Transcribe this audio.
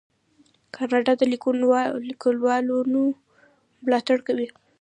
کاناډا د لیکوالانو ملاتړ کوي.